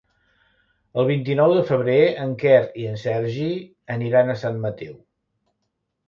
El vint-i-nou de febrer en Quer i en Sergi aniran a Sant Mateu.